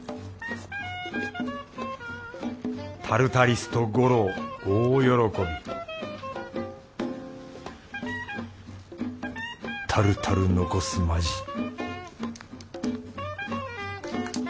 タルタリスト五郎大喜びタルタル残すまじ